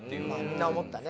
みんな思ったね。